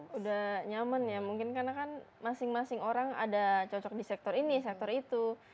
sudah nyaman ya mungkin karena kan masing masing orang ada cocok di sektor ini sektor itu